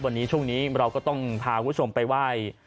วันนี้ช่วงนี้เราก็ต้องพาคุณผู้ชมไปไหว้